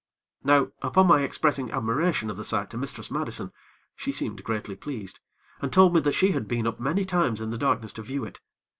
Now, upon my expressing admiration of the sight to Mistress Madison, she seemed greatly pleased, and told me that she had been up many times in the darkness to view it.